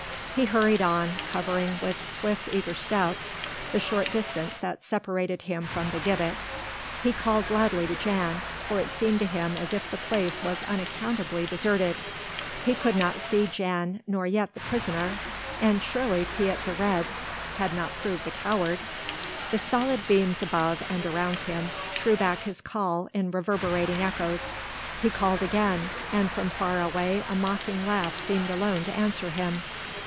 He hurried on, covering with swift eager steps the short distance that separated him from the gibbet. He called loudly to Jan, for it seemed to him as if the place was unaccountably deserted. He could not see Jan nor yet the prisoner, and surely Piet the Red had not proved a coward. The solid beams above and around him threw back his call in reverberating echoes. He called again, and from far away a mocking laugh seemed alone to answer him.